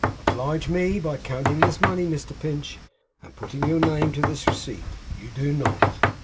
'Oblige me by counting this money, Mr Pinch, and putting your name to this receipt. You do not?